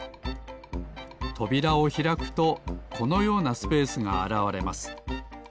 とびらをひらくとこのようなスペースがあらわれます。